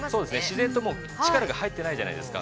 ◆自然と力が入ってないじゃないですか。